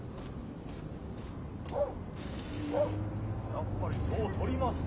・やっぱりそう取りますか！